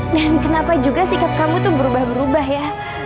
dan kenapa juga sikap kamu tuh berubah berubah ya